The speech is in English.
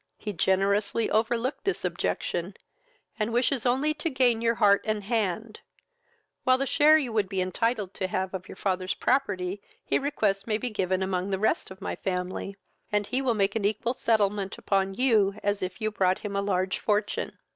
He generously overlooked this objection, and wishes only to gain your heart and hand; while the share you would be entitled to have of your father's property he requests may be given among the rest of my family, and he will make an equal settlement upon you, as if you brought him a large fortune.